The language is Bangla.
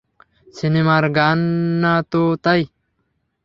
সিনেমার গান না তো তাই!